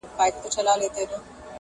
د خالد د تورې شرنګ